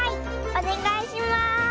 おねがいします！